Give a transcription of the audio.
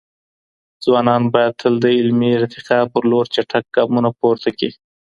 ځوانان بايد تل د علمي ارتقا پر لور چټک ګامونه پورته کړي.